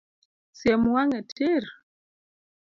Siem wang’e tir